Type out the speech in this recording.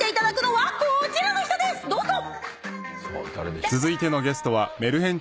どうぞ！